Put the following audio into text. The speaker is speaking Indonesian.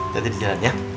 jadi di jalan ya